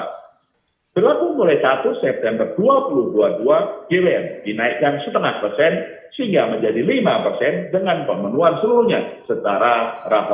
berlaku mulai satu september dua ribu dua puluh dua gwm dinaikkan setengah persen sehingga menjadi lima persen dengan pemenuhan seluruhnya secara rapat